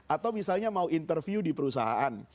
atau misalnya mau interview di perusahaan